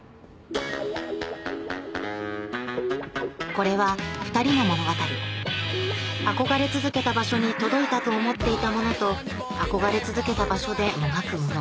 これはふたりの物語憧れ続けた場所に届いたと思っていた者と憧れ続けた場所でもがく者